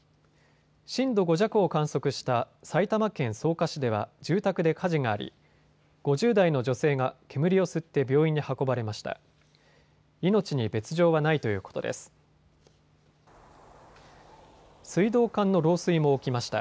震度５弱を観測した埼玉県草加市では住宅で火事があり５０代の女性が煙を吸って病院に運ばれました。